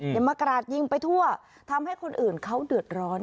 มากราดยิงไปทั่วทำให้คนอื่นเขาเดือดร้อน